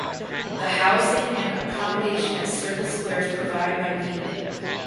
The housing and accommodation at Circle Square is provided by Vita Group.